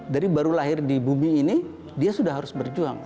dari baru lahir di bumi ini dia sudah harus berjuang